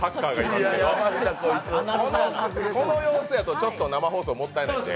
この様子やとちょっと生放送もったいないね。